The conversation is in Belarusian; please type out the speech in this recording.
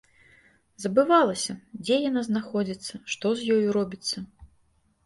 Забывалася, дзе яна знаходзіцца, што з ёю робіцца.